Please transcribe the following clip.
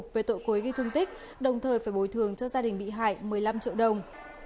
về tội cố ý gây thương tích đồng thời phải bồi thường cho gia đình bị hại một mươi năm triệu đồng